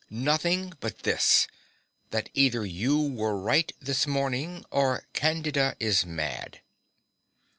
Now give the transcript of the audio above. Nothing but this: that either you were right this morning, or Candida is mad.